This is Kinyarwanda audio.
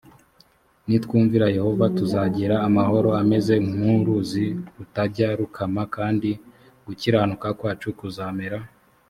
nitwumvira yehova tuzagira amahoro ameze nk uruzi rutajya rukama kandi gukiranuka kwacu kuzamera